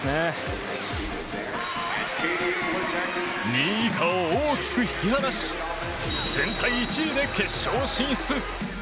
２位以下を大きく引き離し全体１位で決勝進出。